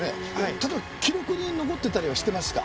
例えば記録に残ってたりはしてますか？